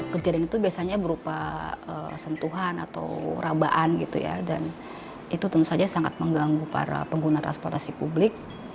kejadian itu biasanya berupa sentuhan atau rabaan gitu ya dan itu tentu saja sangat mengganggu para pengguna transportasi publik